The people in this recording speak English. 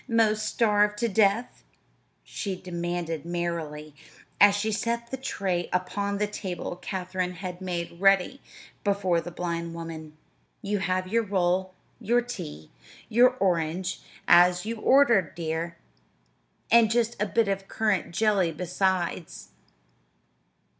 "'Most starved to death?" she demanded merrily, as she set the tray upon the table Katherine had made ready before the blind woman. "You have your roll, your tea, your orange, as you ordered, dear, and just a bit of currant jelly besides."